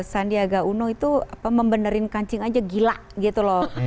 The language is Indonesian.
sandiaga uno itu membenerin kancing aja gila gitu loh